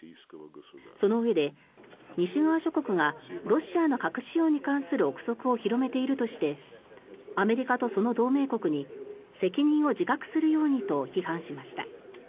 そのうえで西側諸国がロシアの核使用に関する臆測を広めているとしてアメリカとその同盟国に責任を自覚するようにと批判しました。